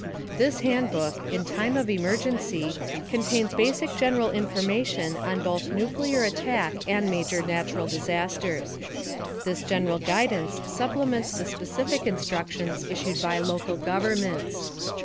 This handbook, "In Time of Emergency," contains basic general information on both nuclear attack and major natural disasters. This general guidance supplements the specific instructions issued by local governments.